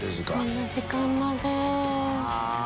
こんな時間まで。